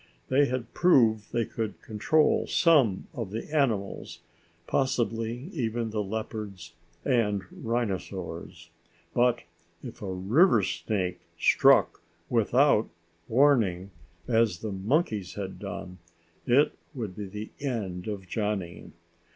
They had proved they could control some of the animals, possibly even the leopards and rhinosaurs. But, if a river snake struck without warning as the monkeys had done, it would be the end of Johnny.